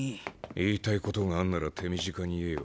言いたいことがあんなら手短に言えよ。